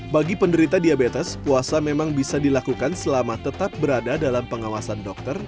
bagi penderita diabetes puasa memang bisa dilakukan selama tetap berada dalam pengawasan dokter